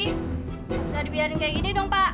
bisa dibiarin kayak gini dong pak